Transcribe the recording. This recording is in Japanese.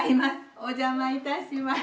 お邪魔いたします。